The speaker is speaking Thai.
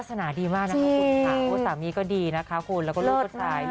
สามีก็ดีนะคะคุณแล้วก็ลูกสาว